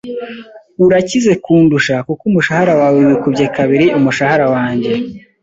Urakize kundusha kuko umushahara wawe wikubye kabiri umushahara wanjye.